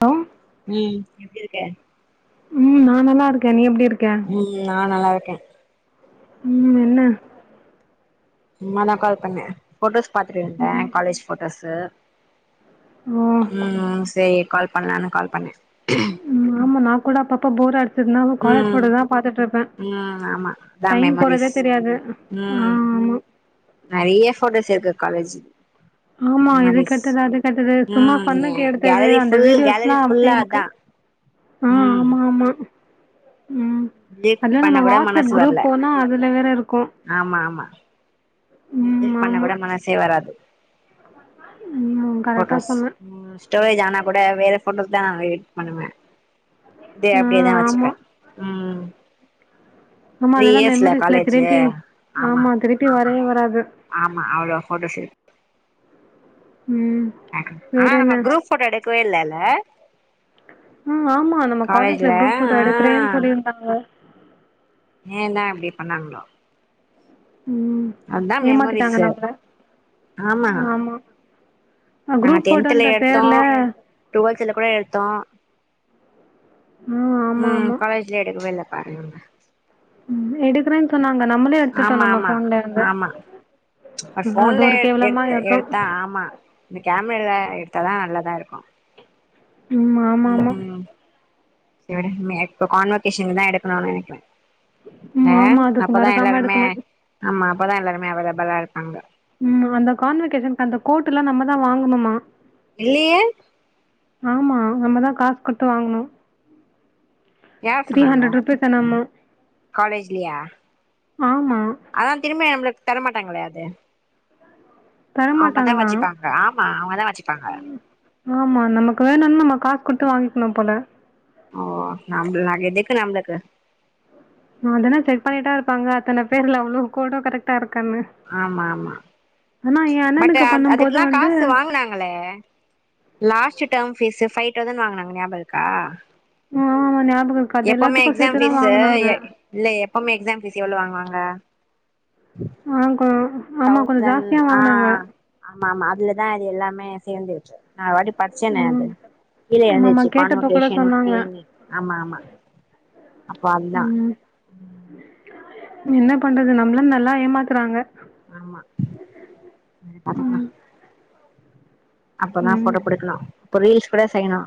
Hello உம் எப்டி இருக்க உம் நா நல்லா இருக்கே நீ எப்டி இருக்க நீ நா நல்லா இருக்கே உம் என்ன சும்மா தா கால் பண்ணே ஃபோட்டோஸ் பாத்துட்டு இருந்தே காலேஜ் ஃபோட்டோஸ் ஓ உம் சேரி கால் பண்லானு கால் பண்ணே ம் ஆமா நா கூட அப்போ அப்ப போர் காலேஜ் ம் போட்டோ தா பாத்துட்ருப்பே ம் ஆமா அதா டைம் போறதே மெமரிஸ் தெரியாது ஆ ம் ஆமா நெறைய போட்டோஸ் இருக்கு காலேஜ் ஆமா இது மாமீஸ் கெட்டது அது கெட்டது சும்மா உம் எ ஃபண்ணுக்கு எடுத்தது கேலரி அந்த ஃபுல் வீடியோஸ்லா கேலரி அப்டி ஃபுல்லா இருக்கு அதா உம் உம் அதுலா பண்ண நம்ம கூட வாட்ஸ்அப் மனசு குரூப் வரல போனா அதுல வேற இருக்கும்ண ஆமா ஆமா டெலிட் பண்ண கூட மனசே வராது ம் கரெக்டா போட்டோஸ் சொன்ன ம் ஸ்டோரேஜ் ஆனா கூட வேற போட்டோஸ் தா நா எடிட் பண்ணுவே இது ஆ அப்டியே ஆமா தாவச்சுப்பே உம் சும்மா ஆமா அதெல்லா மெமரிஸ்ல காலேஜு திருப்பி ஆமா திருப்பி வரவே வராது ஆமா அவ்ள ஃபோட்டோஸ் இருக் உம் ஆனா நம்ம குரூப்ஃ போட்டோ எடுக்கவே இல்லல்ல உம் ஆமா நம்ம காலேஜ்ல குரூப் ஃபோட்டோ எடுக்கிறேன் சொல்லிருந்தாங்க ஏந்தா இப்டி பண்ணான்ங்ளோ உம் ஏமாத்திட்டாங்க மெமரிஸு நம்மள ஆமா நாங்க குரூப் டென்த்ல ஃபோட்டோன்ற எடுத்தோ பேர்ல டுவெல்த்ல கூட எடுத்தோ ஆ ஆமா உம் ஆமா காலேஜ் ல எடுக்கவே இல்ல பாருங்க உம் எடுக்கறேன் சொன்னாங்க நம்மளே எடுத்துட்டோ நம்ம ஃபோன்ல இருந்து ஒரு அது ஃபோன்ல ஒரு எ கேவலமா எடுத்தோ எடுத்தா ஆமா இந்த கேமரால எடுத்தாதா நல்லதா இருக்கு உம் ஆமா ஆமா இவனுக்கு மே இப்போ கான்வகேஷன் தா எடுக்கணுன் நெனைக்குறே ம் ஆமா பேங்க் அதுக்கு அப்பதா மறக்காம எல்லாருமே எடுக்கணு ஆமா அப்பதா எல்லாருமே அவைலபிளா இருப்பாங்க ம் அந்த கான்வெகேஷனுக்கு அந்த கோட் எல்லா நம்ம தா வாங்கணுமா இல்லியே ஆமா நம்மதா காசு குடுத்து வாங்கணு யார் த்ரீ சொன்னாங்க ஹண்ட்ரட் ரூபிஸ் என்னமோ காலேஜ்லயா ஆமா அதா திரும்பயு நம்மளுக்கு தரமாட்டாங்களே அது அவுங்கதா தரமாட்டாங்க தான். வச்சுப்பாங்க ஆமா அவுங்கதா வச்சுப்பாங்க ஆமா நமக்கு வேணுன் நம்ம காசு குடுத்து வாங்கிக்கணு போல ஓ நம்பள ந எதுக்கு நம்பளுக்கு அதனா செக் பண்ணிட்டா இருப்பாங்க அத்தன பேர்ல அவ்ளோ கோடு கரெக்டா இருக்கானு ஆமா ஆமா பட் அண்ணனுக்கு அ பண்ணும்போது அதுக்கெல்லா வந்து காசு வாங்குனாங்களே last term fees five thousand வாங்குனாங்க ஞாபக இருக்கா ஆ ஆமா ஞாபகம் இருக்கு. அது எப்பவுமே எல்லாத்துக்கும் எக்ஸாம் சேர்த்து தான் ஃபீஸு வாங்குனாங்க. எ இல்ல எப்பவுமே எக்ஸாம் ஃபீஸ் எவ்ளோ வாங்குவாங்க ஆ கொ ஆமா கொஞ்சோ தென் ஜாஸ்தியா ஆ வாங்குனாங்க ஆமா ஆமா அதுலதா அது எல்லாமே சேந்து இருக்கு நா ஒருவாட்டி படிச்சனே அது ம். கீழயே ஆமாமா இருந்துச்சு கேட்டப்போ கூட கான்வகேஷன் சொன்னாங்க. ஃப்பி னு ஆமா ஆமா அப்போ அதா ம். என்ன பண்றது நம்மள நல்லா ஏமாத்துறாங்க ஆமா விடு பாத்துக்கலா ம். அப்போதா ம். போட்டோ குடுக்கணு இப்ப ரீல்ஸ் கூட செய்யணு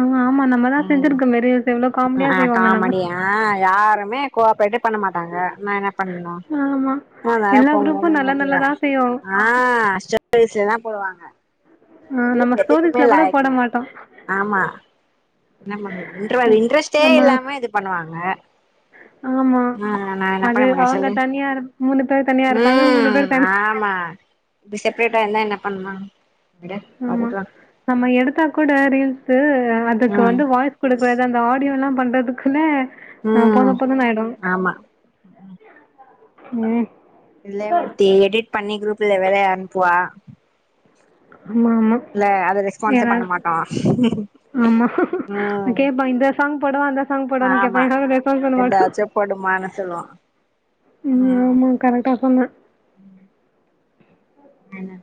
ஆமா ஆமா நம்மதா ம் செஞ்சிருக்கோமே ரீல்ஸ் எவ்ளோ காமெடியா ஆ செய்வோமே நம்ம காமெடி ஆ யாருமே கோவாப்ரேட்டே பண்ண மாட்டாங்க நா என்ன பண்ணு ஆமா அதனால எல்லா குரூப்பும் போங்கனு நல்ல விட்ருவே நல்லதா செய்யும் ஆ ஸ்டெப் வயசுல தா போடுவாங்க ஆ நம்ம குரூப் எதுக்குமே ஸ்டோரிஸ்ல கூட லாயிக்கு போட மாட்டோம் இல்ல என்ன பண்றது இன்டவெல் இன்ட்ரெஸ்ட்டே நம்ம இல்லாம இது பண்ணுவாங்க ஆமா ஆ நம்ம என்ன பண்ண அது முடியு அவங்க சொல்லு தனியா இரு மூணு பேர் தனியா இருப்பாங்க மூணு ம் பேர் தனி ஆமா இப்டி செப்ரேட்டா இருந்தா என்ன பண்ணலா ஆமா நம்ம எடுத்தா கூட ரீல்ஸ் அதுக்கு ம் வந்து வாய்ஸ் குடுப்பது அந்த ஆடியோ எல்லா பண்றதுக்குல்ல ஆ ம் போது போது னு ஆயிடு ஆமா ம் இல்லே ஒருத்தி எடிட் பண்ணி குரூப்ல வேற அனுப்புவா ஆமா ஆமா இல்ல அத ரெஸ்பான்ஸே பண்ண யாராது மாட்டோ ஆமா ம் கேட்பா இந்த சாங் போடவா அந்த சாங் போடவான்னு கேட்பா யாரு ரெஸ்பான்ஸ் பண்ணமாட்டோ போடுமானு சொல்லுவோ ம் ஆமா கரெக்டா சொன்ன ஹல்லோ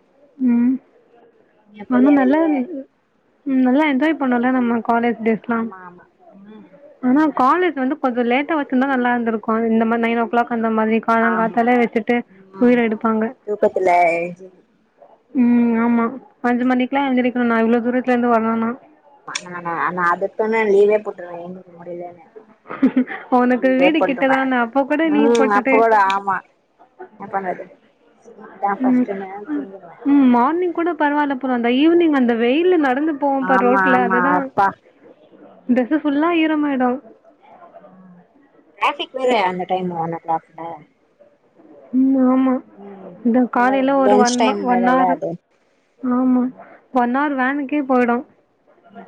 நம்ம நல்லா வெளிய இருந்துது ம் நல்லா என்ஜாய் பண்ணோல நம்ம காலேஜ் டேஸ் ஆமா ஆமா ம் ஆனா பண்ணுங்க காலேஜ் வந்து கொஞ்சோ லேட்டா வச்சி இருந்தா நல்லா இருந்துக்கு இந்த மாரி நைன் ஓ கிளாக் அந்த மாரி ஆமா காலங்காத்தாலே வச்சுட்டு ம் உயிர எடுப்பாங்க தூக்கத்துல எழ்ஞ்சி ம் ஆமா அஞ்சு மணிக்கெல்லா எந்திருக்கணு நா இவ்ளோ தூரத்துல இருந்து வரணுணா மா நானா நா அதுக்குதான லீவே போட்டுருவே எந்திரிக்க முடிலன்னு உனக்கு வீடு கிட்டதான அப்போ கூட லீவ் ம் போட்டுட்டு அப்பகூட ஆமா ன பண்றது ஸ்லீப் தா ம் ஃபஸ்ட்டுன்னு தூங்கிருவே ம் மார்னிங் கூட பரவால்ல போல அந்த ஈவினிங் அந்த வெயில் நடந்து போவோம்பா ஆமா ரோட்ல ஆமா அதுதா அப்பா ட்ரெஸ்சு ஃபுல்லா ஈரமாயிடு ஆ டிராஃபிக் வேற அந்த டைம் ஒன் ஓ கிளாக்ல ம் ஆமா ம் அதா இல்ல காலையில ஒரு லன்ச் ஒன் ம டைம் ஒன் வேறல்ல ஹாரு அது ஆமா ஒன்னார் வேனுக்கே போயிடு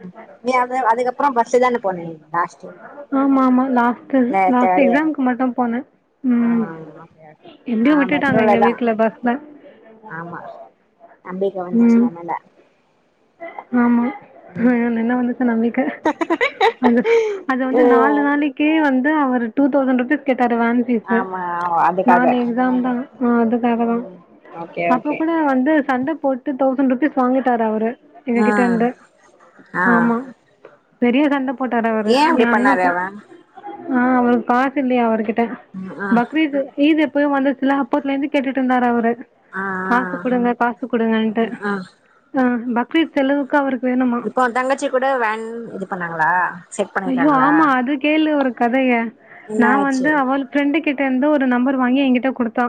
ம் நீ அது அதுக்கப்பற பஸ்சு தான போன நீ லாஸ்ட் ஆமா ஆமா லாஸ்ட்டு இல்ல லாஸ்ட் தேர்ட் இயர் எக்ஸாம்க்கு மட்டு போன ஆ ஓகே ஓகே எப்டியோ நா விட்டுட்டாங்க மெட்ரோல எங்க தா வீட்ல பஸ்ல ஆமா நம்பிக்க வந்துச்சு ம் உ மேல ஆமா ம் வேணன்ன வந்துச்சு நம்பிக்க அது அது வந்து நாலு ம் நாளைக்கே வந்து அவரு டூ தௌசண்ட் ருபீஸ் கேட்டாரு வேன் ஃபீஸ்சு ஆமா அதுக்காக நாலு எக்ஸாம் ம் தா அதுக்காகதா ம் ஓகே அப் ப ஓகே கூட வந்து சண்ட போட்டு தௌசண்ட் ருபீஸ் வாங்கிட்டாரு அவரு எங்ககிட்ட ம் இருந்து ஆ ஆமா பெரிய சண்ட போட்டாரு அவரு ஏ எ அப்டி பண்ணாரு அண்ணாக்கு அவ ஆ அவரு காசு இல்லையா அவருகிட்ட ம் ஆ பக்ரீது ஈது எப்பயோ வந்துச்சுல அப்பத்துலருந்து கேட்டுட்டு இருந்தாரு அவரு ஆ காசு ஆ குடுங்க காசு குடுங்கன்ட்டு ம் ஆ அ பக்ரீத் செலவுக்கு அவரு இப்போ உ தங்கச்சி கூட வேன் இது பண்ணாங்களா செட் ஐயோ பண்ணிருக்காங்களா ஆமா அது கேளு ஒரு கதய என்ன நா ஆச்சு வந்து அவளு ஃப்ரெண்டு கிட்ட இருந்து ஒரு நம்பர் வாங்கி என்கிட்ட குடுத்தா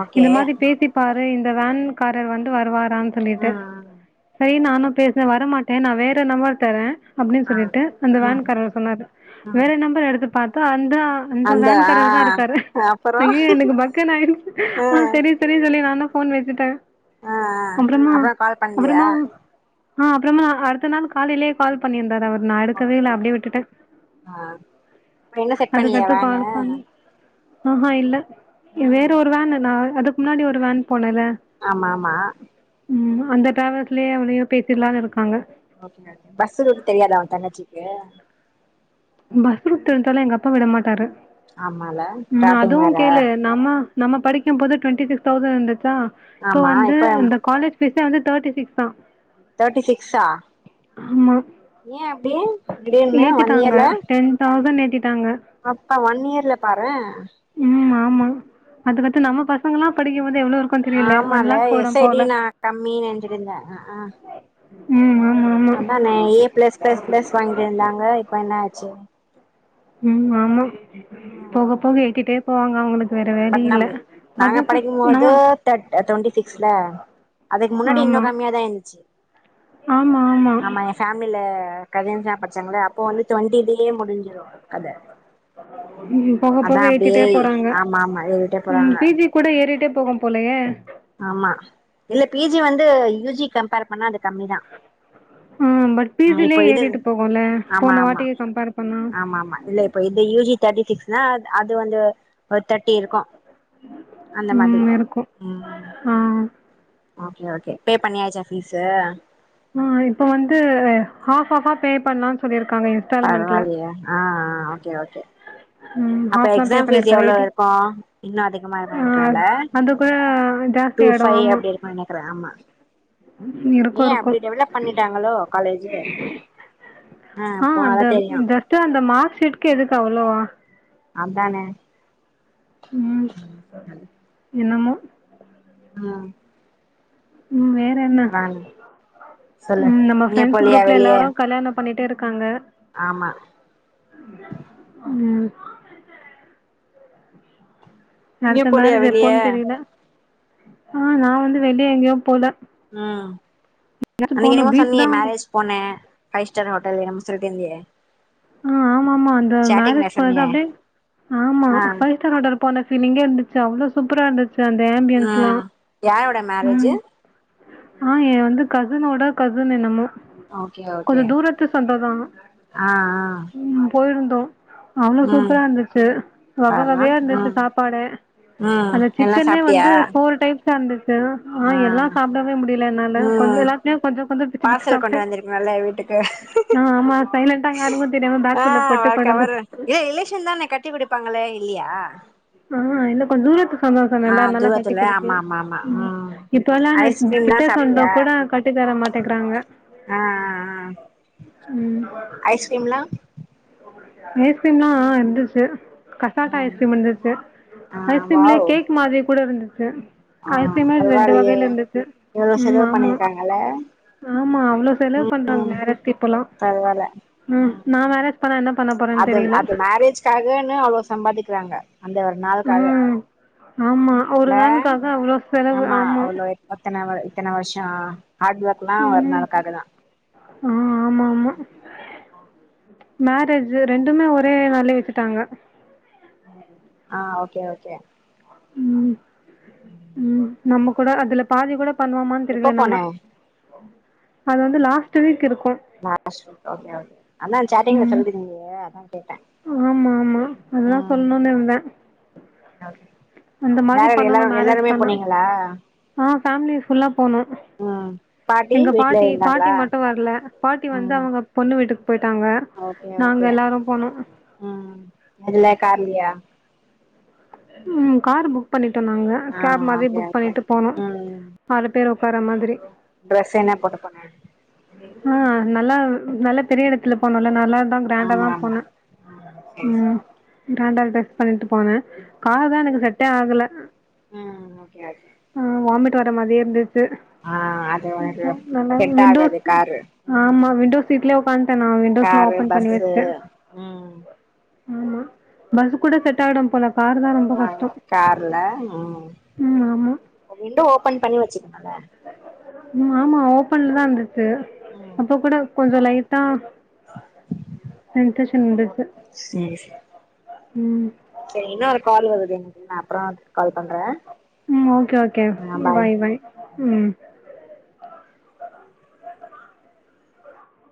ஓகே இந்த மாதி பேசி பாறே இந்த வேன் காரர் வந்து வருவாரான்னு சொல்லிட்டு ம் ம் சரி நானு பேசுனே வரமா டே நா வேற நம்பர் தரே அப்டின்னு ஆ சொல்லிட்டு அந்த ம் வேன்காரர் சொன்னாரு ம் வேற நம்பர் எடுத்து பாத்த அந்தா அந்த வேன்காரர் தா இருக்காரு அப்புறோ ஐயையோ எனக்கு பக்குனு ஆயிருச்சு ஆ சரி சரினு சொல்லி நா தா ஃபோன் வச்சுட்டே ஆ அப்பறமா அப்புறோ கால் பண்லியா அப்பறமா ஆ அப்புறமா அடுத்த நாள் காலேலயே கால் பண்ணியிருந்தாரு அவரு நா எடுக்கவே ஓகே இல்ல அப்டியே விட் ட ஆ இப்ப என்ன செட் பண்ணியா அதுக்கடுத்து பாலு வேனு புளி ஆஹா இல்ல ம் வேற ஒரு வேனு நா அதுக்கு முன்னாடி ஒரு வேன் போனேல ஆமாமா ம் அந்த டிரவல்ஸ்லயே அவ்வளயு பேசிடலான்னு இருக்காங்க ஓகே ஓகே பஸ்சு ரூட் தெரியாதா அவ தங்கச்சிகு பஸ் ரூட் தெரிஞ்சாலு எங்க அப்பா விட மாட்டாரு ஆமால ம் ஸ்டார்டிங் அதுவு வேற கேளு நம்ம நம்ம படிக்கும் போது டுவெண்டி சிக்ஸ் தௌசண்ட் இருந்துச்சா இப்ப வந்து இந்த காலேஜ் ஃபிஸ் வந்து தேர்டி சிக்ஸ் தா தேட்டி சிக்ஸா ஆமா ஏ அப்டி திடீர்னு ஒன் ஏத்திட்டாங்க இயர்ல டென் தௌசண்ட் ஏத்திட்டாங்க அப்பா ஒன் இயர்ல பாரே ம் ஆமா அது வத்து நம்ம பசங்கலா படிக்கு போது எவ்ளோ இருக் ஆமால எசஐடி நா கம்மி நெனஞச்சுட்டுருந்தே அ ஆ ம் ஆமா அதான ஏ ஆமா பிளஸ் பிளஸ் பிளஸ் வாங்கிட்டு இருந்தாங்க இப்ப என்ன ஆச்சு ம் ஆமா ம் போக போக எங்கிட்டே பட் நம் நாங்க அதுதா படிக்கும் போது நம்ம த்ர்ட் டொண்டி சிக்ஸ்ல அதுக்கு முன்னாடி ஆமா இன்னும் கம்மியாதா இருந்ச்சு ஆமா ஆமா பேமில கசின்ஸ்லா பச்சாங்கள்ல அப்போ வந்து டுவெண்டி டே முடிஞ்சிடும் கத ம் போக போக அதா அப்டியே ஏத்திட்டே போறாங்க ஆமா ஆமா ஏறிட்டே ம் போறாங்க பி ஜி கூட ஏறிட்டே போகும் போலயே ஆமா இல்ல பி ஜி வந்து யூ ஜி கம்பேர் பண்ண அது கம்மிதா ம் பட் பீ ஆ இப்ப சிலயே இது ஏறிட்டு போகும்ல ஆமா போன ஆமா வாட்டி கம்பேர் பண்ணா ஆமா இல்லப் இப்ப இது யூஜி தேர்டி சிக்ஸ்னா அது வந்து ஒரு தேர்ட் ம் இருக்கோ ம் ஆ ஓகே ஓகே பே பண்ணியாச்சா பீஸு ஆ இப்ப வந்து ஹாஃப் ஹாஃப் பே பண்ணலாம் சொல்லிருக்காங்க பரவால்லியோ ஆ ஓக்கே ஓக்கே ம் அப்ப ஹாஃப் தான் பே எக்ஸாம் பீஸ் பண்ணியிருக்காரு எவ்ளே எயிட்டி இருக்கோ இன்னூ அதிகமா ஆ பண்ணிக்குவோ இல்ல அது கூ ஜாஸ்தி ஆயிடோ ஆமா நா நெனைக்கறே ஆமா இறுக்கே ஏ இறுக்கூ அப்டி டெவலப் பண்ணிட்டாங்களோ காலேஜு ஆ அந்த போனாதா தெரியு ஜஸ்ட்ட் அந்த மார்க் ஷீட்டு்க்கு எதுக்கு அவ்ளவா அதானே ம் என்னமோ ஆ ம் வேற என்ன பரவால்ல சொல்லு ம் நம்ம எங்கயு பிரான்ட்ஸ் போலியா குரூப்ல வெளிய எல்லாரூ கல்யாண பண்ணிட்டே இருக்காங்க ஆமா ம் எங்கயு அடுத்த போலியா மேரேஜ் வெளிய எப்போன்னு தெரியல ஆ நா வந்து வெளியே எங்கேயு போல ம் எங்கயாச்சும் அன்னிக்கி போகணும் என்னமோ பீச் சொன்னியே தான் மேரேஜ் பொனே பைவ் ஸ்டார் ஹோட்டல் என்னமோ செல்ட்ருந்தியே ஆ ஆமா ஆமா அந்த மேரேஜ் போனது சொன்னியே அப்படியே ஆமா ஆ ஃபைவ் ஸ்டார் ஹோட்டல் போன பீலிங்கே இருந்துச்சு அவ்ளோ சூப்பரா இருந்துச்சு அந்த ஆம்பியன்ஸ்ல்லா ம் யாரோட மேரேஜு ம் ஆ என் வந்து கசினோட கசின் என்னமோ ஓகே ஓகே கொஞ்சம் தூரத்து சொந்தம் தான். ஆ ஆ ம் போயிருந்தோ அவ்ளோ ம் சூப்பரா இருந்துச்சு வக பார்றா வகையா இருந்துச்சு ம் சாப்பாடே ம் அந்த எல்லா சிக்கனே சாப்ட்டியா வந்து போர் டைப்ஸ் ரிச்சா இருந்துச்சு ஆ எல்லா சாப்பிடவே முடியல என்னால கொஞ்சே எல்லாத்துலயூ கொஞ்சோ கொஞ்சோ பிச்சு பிச்சு சாப்ட்டே நல்லா வே ட்டுக்கு ஆ ஆமா சைலெண்டா [unintelligible] [unintelligible] ஏய் ரிலேஷன் தான கட்டி குடிப்பாங்களே இல்லியா ஆ இல்ல கொஞ்தூரத் சொந்தோ ஆ சென்னேல்ல அத்னால கட்டி தூரத்துல கொடுக்கல ஆமா ஆமா ஆமா ம் இப்ப எல்லாம் ந ஐஸ்கிரீம்லா கிட்ட சாப்ட்டியா சொந்தோம்கூட கட் டித்தர மாட்டேங்கிறாங்க ஆ அ ஆ ம் ஐஸ்கிரீம்லா ஐஸ்கிரீம்லா இந்துச்சு கசாட்டா ம் ஐஸ்கிரீம் இருந்து சு ஆ ஐஸ்கிரீம்லயே வாவ் கேக் மாதிரி கூட இருந்துச்சு ஆ ஐஸ்கிரீமே ரெண்டு பரவாயில்லையே வகையில இருந்துச்சு எவ்ளோ ம் செலவு ஆமா பண்ணிருக்காங்கல்ல ஆமா அவ்ள செலவு பண்றாங்க மேரேஜ் க்கு இப்பல்லா பரவால ம் நா மேரேஜ் பண்ணா என்ன பண்ண போறேன் தெரியில சகன்னு அவ்ளோ சம்பாதிக்கிறாங்க அந்த நாளுக்காக ம் ஆமா ஒரு இல்ல நாளுக்காக அவ்ளோ செலவு ஆமா அவ்ளோ ஒத்தன வ இத்தன வருஷ ஹார்ட் ஒர்க் எல்லா ஒரு ம் நாளுக்காகதா ஆ ஆமா ஆமா மேரேஜு ரெண்டுமே ஒரே நாள்ளே வச்சுட்டாங்க ஆ ஓகே ஓகே ம் ம் நம்ம கூட அதுல பாதி கூட பண்ணுவமான்னு எப்போ தெரியில போன நம்ம அது வந்து லாஸ்ட் வீக் இருக்கூ லாஸ்ட் வீக் ஓகே ஒகே அதா சாட்டிங்ல ம் சொல்லீருக்கீங்களே அதா கேட்டேன் ஆமா ஆமா அதா சொல்ணுன்னு இருந்தே ஓகே அந்த வேற மாரி யாரு பண்ணணு எல்லாரு மேரேஜ் எல்லாருமே பண்ணா போனீங்களா ஆ ஃபேமிலி ஃபுல்லா போனோ ம் எங்க வீட்ல பாட்டி பாட்டி இருந்தாங்களா மட்டு வர்ல பாட்டி வந்து ம் அவுங்க பொண்ணு வீட்டுக்கு போய்ட்டாங்க ஓகே ஓகே ம் எதுல கார்லயா ம் காரு புக் பண்ணிட்டோ நாங்க ஆ கேப் மாதிரி ஓகே புக் ஓகே பண்ணிட்டு போனோ ம் ஆறு பேர் உக்கார மாரி ட்ரெஸ் என்ன போட்டு போன ஆ நல்லா நல்ல பெரிய எடத்துல போனோல நல்லா தா கிரேண்டா ஆமா தா ஆமா போனே ம் சரி சரி ம் கிராண்டா டிரஸ் பண்ணிட்டு போனே ம் கார் தா எனக்கு சரி ஓகே செட்டே ஆகல ம் ஓகே ஓகே ஆ வாமிட் வர மாதிரியே இருந்துச் ஆ அது ஒனக்கு செட்ட விண்டோஸ் ஆகாது காரு ஆமா ம் விண்டோஸ் சீட்லயே உக்காண்டே நானு விண்டோஸ்லா காரு ஓபன் பண்ணி பஸ்ஸு வச்ட்டே ம் ஆமா பஸ் கூட செட் ஆயிடும் போல காரு தா ரொம்ப ஆ கஷ்டொ கார்ல ம் ம் ஆமா விண்டோ ஓபன் பண்ணி வச்சுக்குலால ம் ஆமா ஓபன்ல தா இருந்துச்சு ம் அப்ப கூட கொஞ்சோ லைட்டா [unintelligible] ம் செரி இன்னொரு கால் வருது எனக்கு நா அப்பறம் கால் பண்றே ம் ஓகே ஓகே பாய் பாய் ம்